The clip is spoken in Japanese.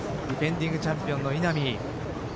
ディフェンディングチャンピオンの稲見。